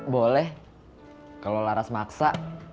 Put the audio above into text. boleh kalau laras maksa